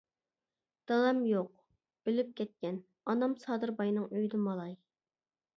-دادام. يوق. ئۆلۈپ كەتكەن، ئانام. سادىر باينىڭ ئۆيىدە مالاي.